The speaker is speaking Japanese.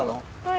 はい。